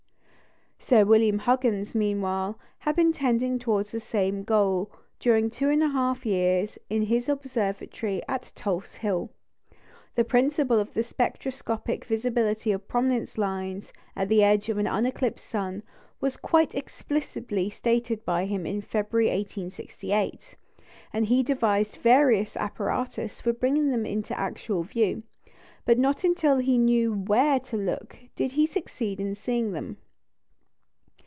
Sir William Huggins, meanwhile, had been tending towards the same goal during two and a half years in his observatory at Tulse Hill. The principle of the spectroscopic visibility of prominence lines at the edge of an uneclipsed sun was quite explicitly stated by him in February, 1868, and he devised various apparatus for bringing them into actual view; but not until he knew where to look did he succeed in seeing them.